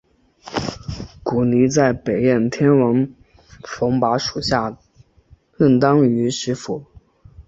古泥在北燕天王冯跋属下任单于右辅。